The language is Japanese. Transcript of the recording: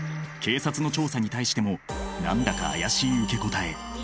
警察の調査に対しても何だか怪しい受け答え。